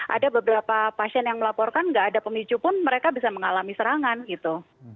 ada beberapa pasien yang melaporkan nggak ada pemicu pun mereka bisa mengalami serangan gitu